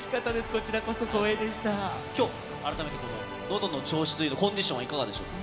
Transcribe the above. こちらこきょう、改めてのどの調子というか、コンディションはいかがでしょう？